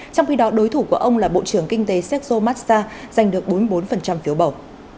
trong khi đó đối thủ của ông là bộ trưởng kinh tế sergo mazda giành được bốn mươi bốn phiếu bầu